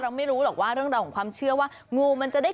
ไม่รู้หรอกว่าเรื่องราวของความเชื่อว่างูมันจะได้